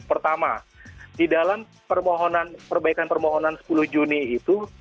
pertama di dalam perbaikan permohonan sepuluh juni itu